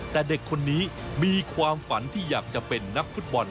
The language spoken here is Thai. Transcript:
แต่เด็กคนนี้มีความฝันที่อยากจะเป็นนักฟุตบอล